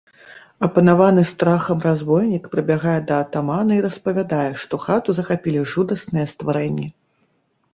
Апанаваны страхам разбойнік прыбягае да атамана і распавядае, што хату захапілі жудасныя стварэнні.